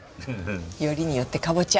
よりによってカボチャ。